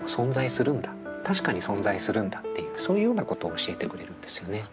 確かに存在するんだっていうそういうようなことを教えてくれるんですよね。